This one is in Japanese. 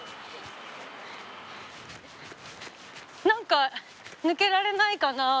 何か抜けられないかな？